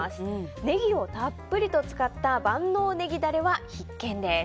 ネギをたっぷりと使った万能ネギダレは必見です。